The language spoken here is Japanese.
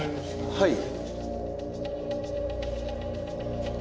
はい。